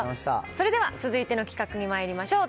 それでは続いての企画にまいりましょう。